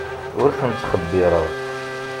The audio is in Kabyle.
Ur ten-ttxebbireɣ.